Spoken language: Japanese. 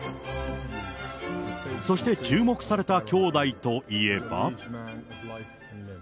そして注目された兄弟といえば。